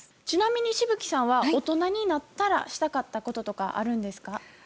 ちなみに紫吹さんは大人になったらしたかったこととかあるんですか？